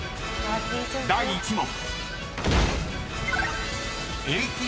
［第１問］